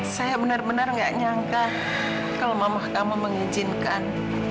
saya benar benar tidak menyangka kalau mama kamu mengizinkan